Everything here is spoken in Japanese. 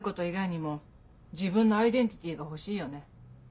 母親であること以外にも自分のアイデンティティーが欲しいよね。